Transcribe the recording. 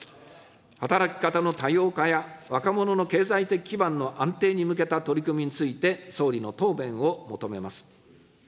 働き方の多様化や、若者の経済的基盤の安定に向けた取り組みについて、総理の答弁を求めます。